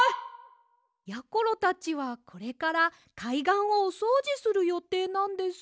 やころたちはこれからかいがんをおそうじするよていなんです。